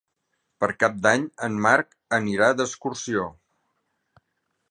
Per Cap d'Any en Marc anirà d'excursió.